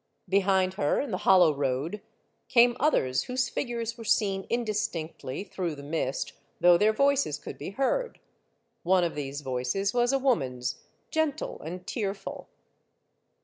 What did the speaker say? Behind her, in the hollow road, came others whose figures were seen indistinctly through the mist, though their voices could be heard. One of these voices was a woman's, gentle and tearful.